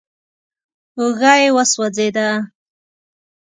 اوږه يې وسوځېده.